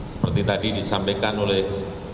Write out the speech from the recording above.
seperti tadi disampaikan oleh